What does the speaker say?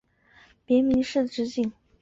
别名是直景。